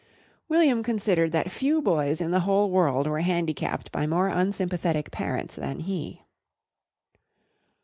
William considered that few boys in the whole world were handicapped by more unsympathetic parents than he.